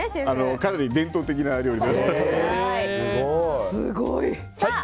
かなり伝統的な料理です。